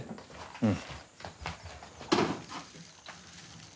うん。